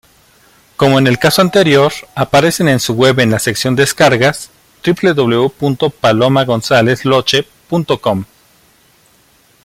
Como en el caso anterior, aparecen en su web en la sección Descargas: www.palomagonzalezloche.com.